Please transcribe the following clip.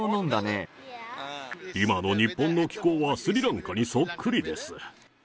今の日本の気候は、スリランカにそっくりです。